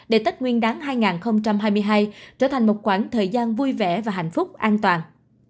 để tết nguyên đáng hai nghìn hai mươi hai trở thành một khoảng thời gian vui vẻ và hạnh phúc an toàn